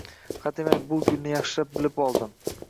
hademay bu gulni yaxshilab bilib oldim.